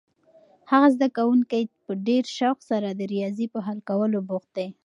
هغه زده کوونکی په ډېر شوق سره د ریاضي په حل کولو بوخت دی.